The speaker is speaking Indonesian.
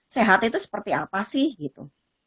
sehat itu seperti apa sih gitu